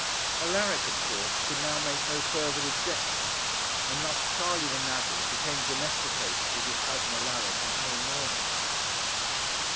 Alaric, of course, could now make no further objection, and thus Charley the Navvy became domesticated with his cousin Alaric and Harry Norman.